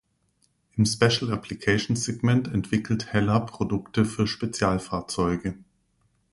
Im Special Applications-Segment entwickelt Hella Produkte für Spezialfahrzeuge.